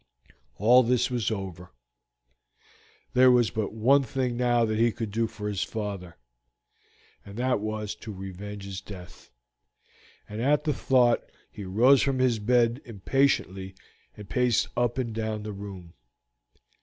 All this was over. There was but one thing now that he could do for his father, and that was to revenge his death, and at the thought he rose from his bed impatiently and paced up and down the room.